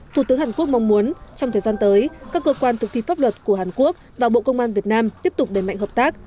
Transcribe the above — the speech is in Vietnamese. thủ tướng hàn quốc mong muốn trong thời gian tới các cơ quan thực thi pháp luật của hàn quốc và bộ công an việt nam tiếp tục đẩy mạnh hợp tác